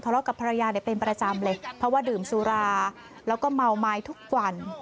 กับภรรยาเนี่ยเป็นประจำเลยเพราะว่าดื่มสุราแล้วก็เมาไม้ทุกวัน